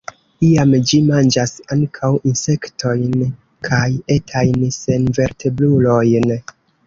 Iam ĝi manĝas ankaŭ insektojn kaj etajn senvertebrulojn.